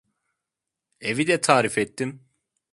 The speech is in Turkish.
Evi de tarif ettim.